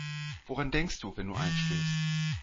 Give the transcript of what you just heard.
Woran denkst du, wenn du einschläfst?